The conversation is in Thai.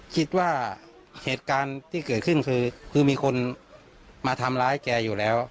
คิดว่าเหตุการณ์ที่เกิดขึ้นคือมีคนมาทำร้ายแกอยู่แล้ว